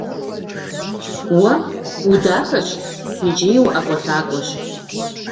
Уэ удахэщ икӀи уӀэкӀуэлъакӀуэщ.